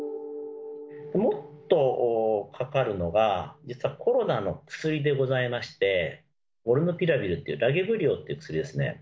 もっとかかるのが、実はコロナの薬でございまして、モルヌピラビルっていう、ラゲブリオっていう薬ですね。